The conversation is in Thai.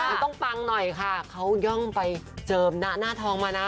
มันต้องปังหน่อยค่ะเขาย่องไปเจิมหน้าทองมานะ